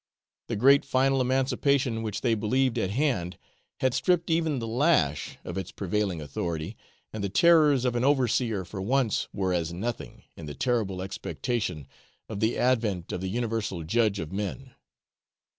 The great final emancipation which they believed at hand had stripped even the lash of its prevailing authority, and the terrors of an overseer for once were as nothing, in the terrible expectation of the advent of the universal Judge of men.